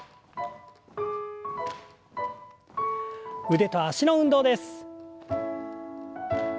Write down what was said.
腕と脚の運動です。